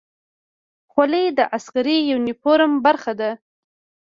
خولۍ د عسکري یونیفورم برخه ده.